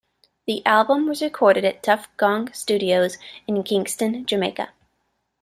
The album was recorded at Tuff Gong Studios in Kingston, Jamaica.